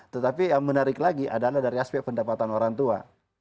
tetapi yang menarik lagi adalah dari aspek pendapatan orang tua